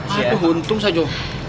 satu untung saja